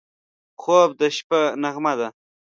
خوب د شپه نغمه ده